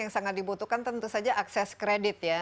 yang sangat dibutuhkan tentu saja akses kredit ya